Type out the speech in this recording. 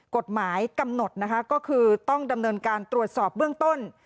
กฎหมายกำหนดนะคะก็คือต้องดำเนินการตรวจสอบเบื้องต้น